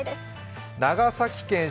長崎県